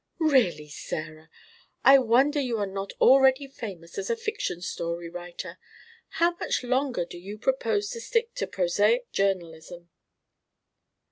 "Really, Sarah, I wonder you are not already famous as a fiction story writer. How much longer do you propose to stick to prosaic journalism?"